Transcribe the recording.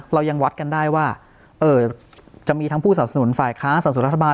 เรายังวัดกันได้ว่าจะมีทั้งผู้สนับสนุนฝ่ายค้าสับสนุนรัฐบาล